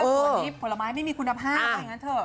วันนี้ผลไม้ไม่มีคุณภาพว่าอย่างนั้นเถอะ